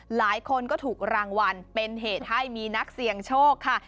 หลายคนก็ถูกรางวัลเป็นเหตุให้มีนักเสี่ยงโชคค่ะ